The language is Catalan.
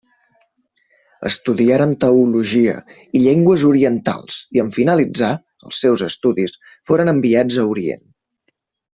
Estudiaren teologia i llengües orientals i en finalitzar els seus estudis foren enviats a Orient.